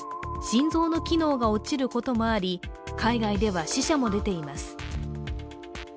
心臓の機能が落ちることもあり、海外では死者も出ています。